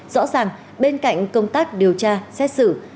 rõ ràng bên cạnh công tác điều tra xét xử